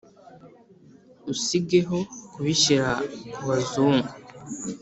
Usigeho kubishyira ku Bazungu